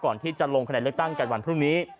ก่อนที่จะลงคะแนนเลือกตั้งกันวันพรุ่งนี้